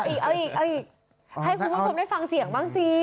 เอาอีกให้คุณพร้อมได้ฟังเสียงบ้างสิ